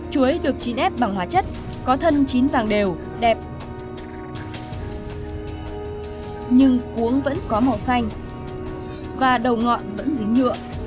chuối được chín ép bằng hóa chất có thân chín vàng đều đẹp nhưng cuốn vẫn có màu xanh và đầu ngọn vẫn dính nhựa